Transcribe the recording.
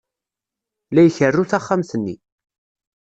La ikerru taxxamt-nni.